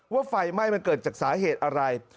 ไฟไหม้มันเกิดจากสาเหตุอะไร